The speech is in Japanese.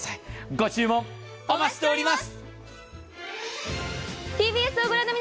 ご注文、お待ちしております。